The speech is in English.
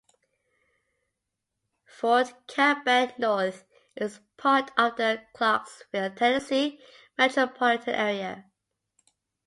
Fort Campbell North is part of the Clarksville, Tennessee metropolitan area.